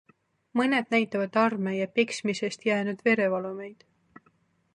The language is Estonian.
Mõned näitavad arme ja peksmisest jäänud verevalumeid.